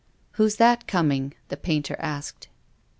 " Who's that coming? " the painter asked.